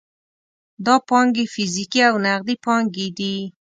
دا پانګې فزیکي او نغدي پانګې دي.